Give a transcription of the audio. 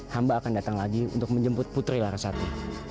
hamba akan datang lagi untuk menjemput putri larasati